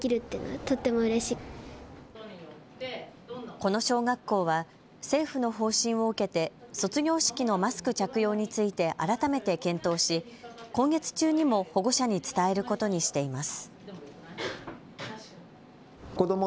この小学校は政府の方針を受けて卒業式のマスク着用について改めて検討し今月中にも保護者に伝えることにしています。